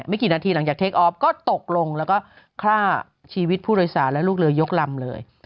กี่นาทีหลังจากเทคออฟก็ตกลงแล้วก็ฆ่าชีวิตผู้โดยสารและลูกเรือยกลำเลย